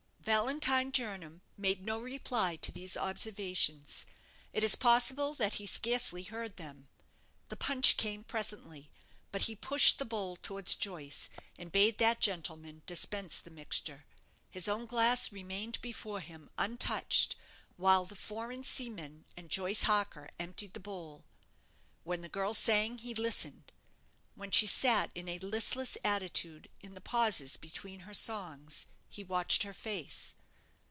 Valentine Jernam made no reply to these observations. It is possible that he scarcely heard them. The punch came presently; but he pushed the bowl towards Joyce, and bade that gentleman dispense the mixture. His own glass remained before him untouched, while the foreign seamen and Joyce Harker emptied the bowl. When the girl sang, he listened; when she sat in a listless attitude, in the pauses between her songs, he watched her face.